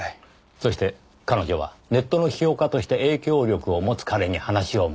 そして“彼女”はネットの批評家として影響力を持つ“彼”に話を持ちかけた。